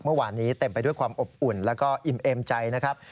เมื่อวานนี้เต็มไปด้วยความอบอุ่นแล้วก็อิ่มเอมใจนะครับ